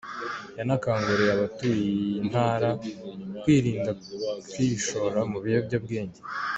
Yanakanguriye abatuye iyi Ntara kwirinda kwishora mu biyobyabwenge.